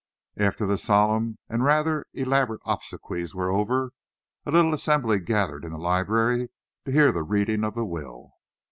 After the solemn and rather elaborate obsequies were over, a little assembly gathered in the library to hear the reading of the will.